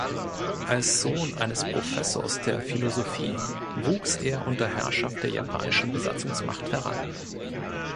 Als Sohn eines Professors der Philosophie wuchs er unter Herrschaft der japanischen Besatzungsmacht heran.